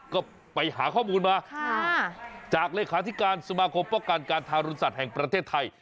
ก็ไปหาข้อมูลมาจากเลขาธิการสมาคมป้องกันการทารุณสัตว์แห่งประเทศไทย